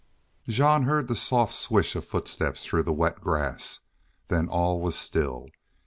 Jean heard the soft swish of footsteps through wet grass. Then all was still.